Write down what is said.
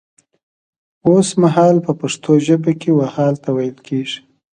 وسمهال په پښتو ژبه کې و حال ته ويل کيږي